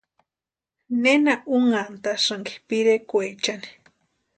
¿Nena unhantasïnki pirekwaechani?